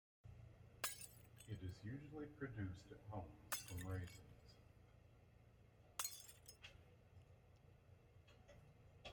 It is usually produced at homes from raisins.